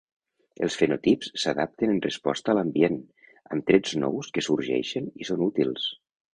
Els fenotips s'adapten en resposta a l'ambient, amb trets nous que sorgeixen i són útils.